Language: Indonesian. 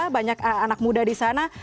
banyak anak muda di sana